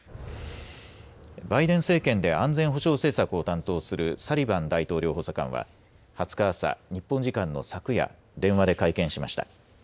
バイデン政権で安全保障政策を担当するサリバン大統領補佐官は２０日朝、日本時間の昨夜電話で会見しました。